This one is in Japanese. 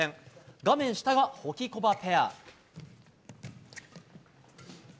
画面下がホキコバペア。